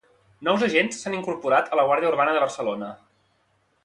Nous agents s'han incorporat a la Guàrdia Urbana de Barcelona.